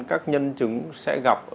các nhân chứng sẽ gặp